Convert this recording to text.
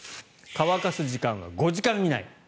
乾かす時間は５時間以内。